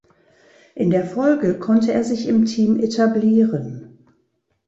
In der Folge konnte er sich im Team etablieren.